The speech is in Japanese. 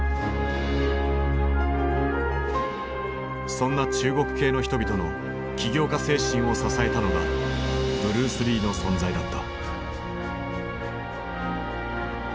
そんな中国系の人々の起業家精神を支えたのがブルース・リーの存在だった。